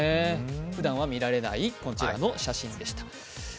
ふだんは見られないこちらの写真でした。